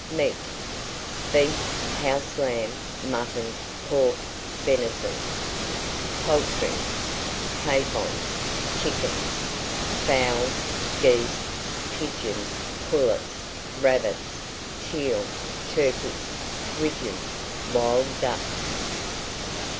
MEAT. Beef, house lamb, mutton, pork, venison. POULTRY. Capons, chickens, fowls, geese, pigeons, pullets, rabbits, teal, turkeys, widgeons, wild ducks.